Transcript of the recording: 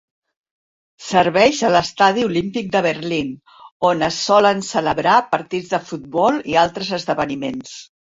Serveix a l"Estadi Olímpic de Berlin, on es solen celebrar partits de futbol i altres esdeveniments.